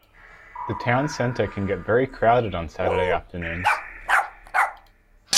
The town centre can get very crowded on Saturday afternoons